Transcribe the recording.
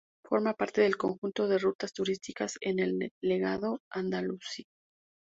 Forma parte del conjunto de rutas turísticas de El Legado Andalusí.